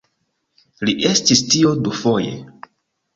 Li estis tio dufoje.